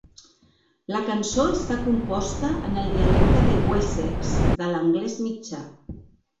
La cançó està composta en el dialecte de Wessex de l'anglès mitjà.